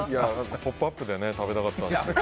「ポップＵＰ！」で食べたかったんですけど。